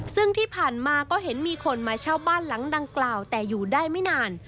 ซึ่งที่ผ่านมาก็เห็นมีคนมาเช่าบ้านหลังดังกล่าวแต่อยู่ได้ไม่นาน